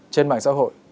trên mạng xã hội